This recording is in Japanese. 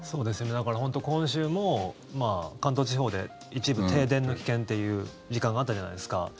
だから本当に今週も関東地方で一部、停電の危険という時間があったじゃないですか。